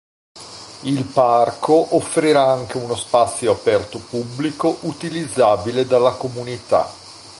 Il parco offrirà anche uno spazio aperto pubblico, utilizzabile dalla comunità.